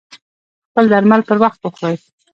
خپل درمل پر وخت وخوری